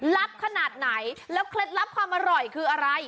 ขนาดไหนแล้วเคล็ดลับความอร่อยคืออะไร